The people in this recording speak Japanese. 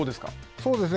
そうですね。